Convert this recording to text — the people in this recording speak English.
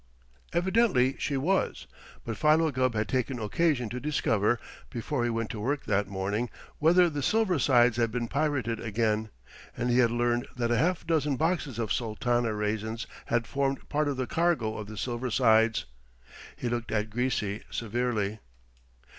Evidently she was, but Philo Gubb had taken occasion to discover, before he went to work that morning, whether the Silver Sides had been pirated again, and he had learned that a half dozen boxes of Sultana raisins had formed part of the cargo of the Silver Sides. He looked at Greasy severely.